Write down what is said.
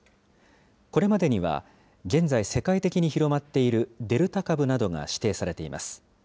これまでには、現在、世界的に広まっているデルタ株などが指定されています。